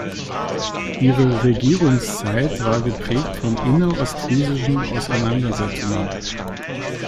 Ihre Regierungszeit war geprägt von inner-ostfriesischen Auseinandersetzungen.